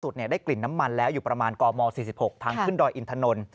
ได้กลิ่นน้ำมันแล้วอยู่ประมาณกม๔๖ทางขึ้นดอยอินทนนท์